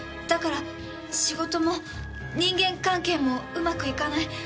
だから仕事も人間関係もうまくいかない。